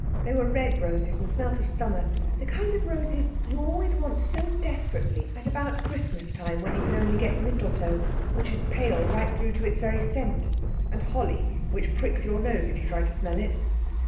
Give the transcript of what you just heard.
They were red roses and smelt of summer—the kind of roses you always want so desperately at about Christmas time when you can only get mistletoe, which is pale right through to its very scent, and holly which pricks your nose if you try to smell it.